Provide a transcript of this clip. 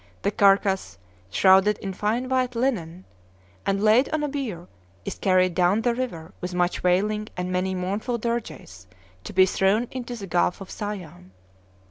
The carcass, shrouded in fine white linen, and laid on a bier, is carried down the river with much wailing and many mournful dirges, to be thrown into the Gulf of Siam.